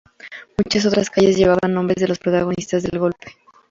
Muchas otras calles llevaban nombres de los protagonistas del golpe.